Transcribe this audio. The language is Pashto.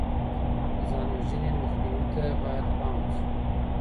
د ځان وژنې مخنيوي ته بايد پام وشي.